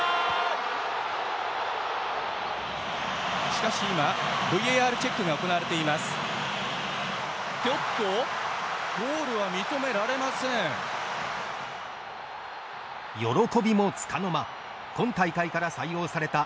しかしＶＡＲチェックが行われました。